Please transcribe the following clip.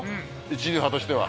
一流派としては。